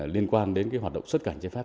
liên quan đến hoạt động xuất cảnh trái phép